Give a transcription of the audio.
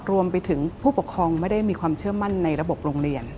รวมไปถึงผู้ปกครองไม่ได้มีความเชื่อมั่นในระบบโรงเรียน